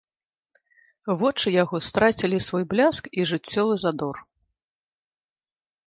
Вочы яго страцілі свой бляск і жыццёвы задор.